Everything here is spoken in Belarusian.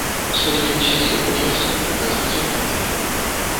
Спадзяюся, іронія сатырыка зразумелая.